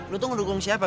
lo tuh ngedukung siapa